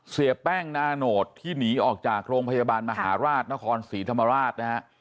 เสียแป้งนาโนตที่หนีออกจากโรงพยาบาลมหาราชนครศรีธรรมราชนะฮะ